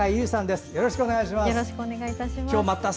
よろしくお願いします。